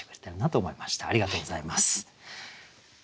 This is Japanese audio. ありがとうございます。